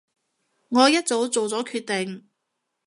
我一早做咗決定